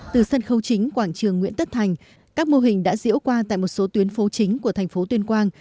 từ sân khấu chính quảng trường nguyễn tất thành các mô hình đã diễu qua tại một số tuyến phố chính của thành phố tuyên quang